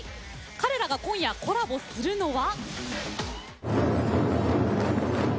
彼らが今夜コラボするのは。